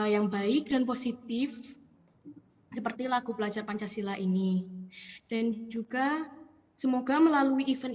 yang baik dan positif seperti lagu pelajar pancasila ini dan juga semoga melalui event